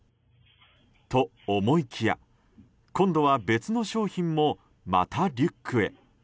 と、思いきや今度は別の商品もまたリュックへ。